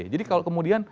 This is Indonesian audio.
jadi kalau kemudian